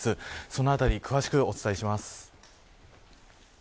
そのあたり詳しくお伝えします。